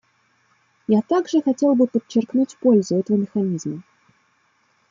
Я также хотел бы подчеркнуть пользу этого механизма.